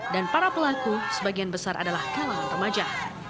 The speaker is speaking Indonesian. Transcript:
dan para pelaku sebagian besar adalah kalangan remaja